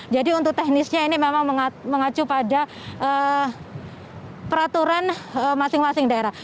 jadi untuk teknisnya ini memang mengacu pada peraturan masing masing daerah